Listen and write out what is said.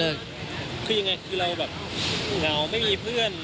เหงาไม่มีเพื่อน